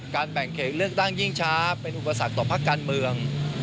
แบ่งเขตเลือกตั้งยิ่งช้าเป็นอุปสรรคต่อภาคการเมือง